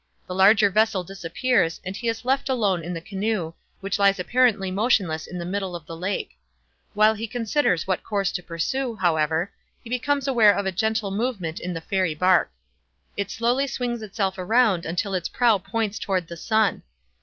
The larger vessel disappears, and he is left alone in the canoe, which lies apparently motionless in the middle of the lake. While he considers what course to pursue, however, he becomes aware of a gentle movement in the fairy bark. It slowly swings itself around until its prow points toward the sun.